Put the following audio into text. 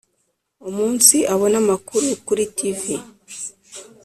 umunsi abona amakuru kuri tivi